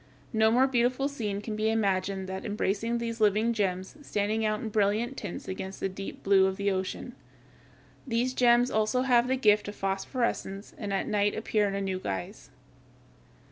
No more beautiful scene can be imagined than that embracing these living gems, standing out in brilliant tints against the deep blue of the ocean. These gems also have the gift of phosphorescence and at night appear in a new guise.